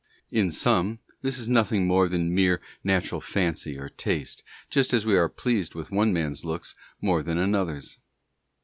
In some, this is nothing more than mere natural fancy or taste, just as we are pleased with one man's looks more than with another's.